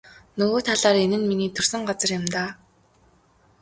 Нөгөө талаар энэ нь миний төрсөн газар юм даа.